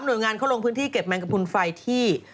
โดยงานเขาลงพื้นที่เก็บแมงกระพุนไฟที่